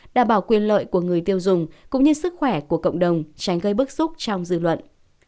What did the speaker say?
đảm bảo quyền lợi của người tiêu dùng cũng như sức khỏe của cộng đồng tránh gây bức xúc trong dư luận